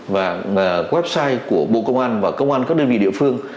và website của bộ công an và công an các đơn vị địa phương